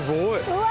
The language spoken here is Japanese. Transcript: うわ。